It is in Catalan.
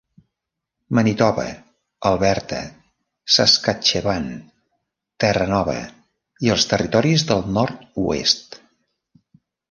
Manitoba, Alberta, Saskatchewan, Terranova i els Territoris del Nord-oest.